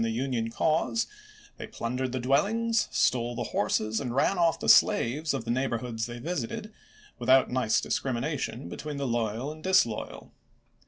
the Union cause, they plundered the dwellings, stole the horses, and ran off the slaves of the neigh borhoods they visited, without nice discrimination between the loyal and disloyal.